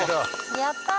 やったー！